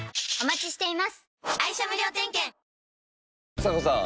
ちさ子さん